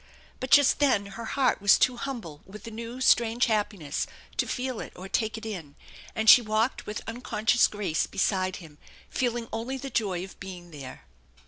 But just then her heart was too humble with a new, strange happiness to feel it or take it in, and she walked with uncon scious grace beside him, feeling only the joy of being there.